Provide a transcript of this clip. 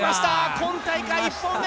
今大会１本目。